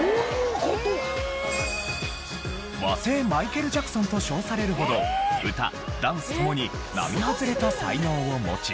和製マイケル・ジャクソンと称されるほど歌ダンスともに並外れた才能を持ち。